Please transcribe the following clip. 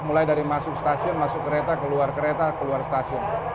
mulai dari masuk stasiun masuk kereta keluar kereta keluar stasiun